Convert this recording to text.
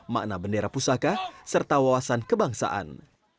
makna bendera pusaka serta wawasan kebangsaan